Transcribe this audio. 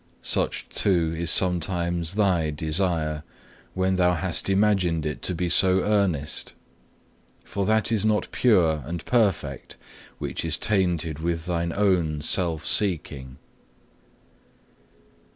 Such, too, is oftentimes thy desire, when thou hast imagined it to be so earnest. For that is not pure and perfect which is tainted with thine own self seeking.